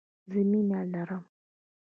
زه مینه لرم.